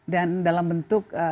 dan dalam bentuk